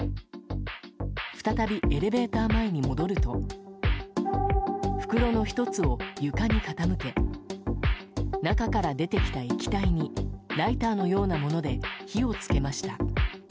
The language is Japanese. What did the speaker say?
再び、エレベーター前に戻ると袋の１つを床に傾け中から出てきた液体にライターのようなもので火を付けました。